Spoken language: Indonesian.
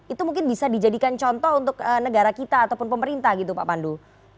itu mungkin bisa dijadikan contoh untuk negara kita ataupun pemerintah gitu pak pandu